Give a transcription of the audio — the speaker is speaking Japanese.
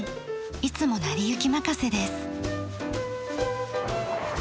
いつも成り行き任せです。